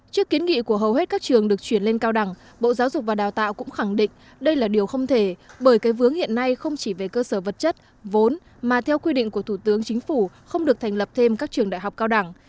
trước kiến nghị của hầu hết các trường được chuyển lên cao đẳng bộ giáo dục và đào tạo cũng khẳng định đây là điều không thể bởi cái vướng hiện nay không chỉ về cơ sở vật chất vốn mà theo quy định của thủ tướng chính phủ không được thành lập thêm các trường đại học cao đẳng